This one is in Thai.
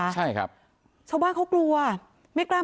แต่ว่าจำได้ก็ดีครับ